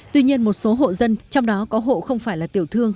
tuy nhiên một số hộ dân trong đó có hộ không phải là tiểu thương